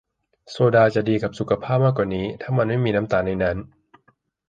โซดาจะดีกับสุขภาพมากกว่านี้ ถ้ามันไม่มีน้ำตาลในนั้น